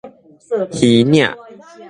魚嶺